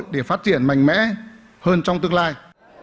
để phát triển mạnh mẽ hơn trong tương lai